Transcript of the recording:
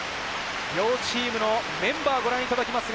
両チームのメンバーをご覧いただきます。